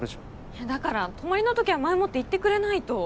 いやだから泊まりのときは前もって言ってくれないと。